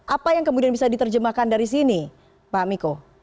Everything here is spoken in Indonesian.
apa yang kemudian bisa diterjemahkan dari sini pak miko